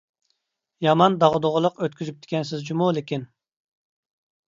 يامان داغدۇغىلىق ئۆتكۈزۈپتىكەنسىز جۇمۇ لېكىن.